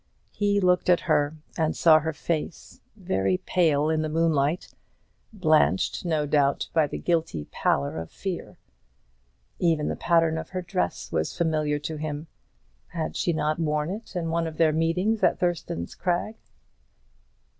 He looked at her, and saw her face, very pale in the moonlight, blanched, no doubt, by the guilty pallor of fear. Even the pattern of her dress was familiar to him. Had she not worn it in one of their meetings at Thurston's Crag?